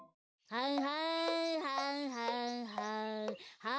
はんはんはんはんはんはん